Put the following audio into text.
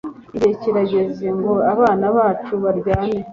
Igihe kirageze ngo abana bacu baryame